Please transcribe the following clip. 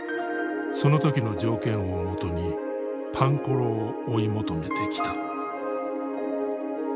その時の条件をもとにパンコロを追い求めてきた。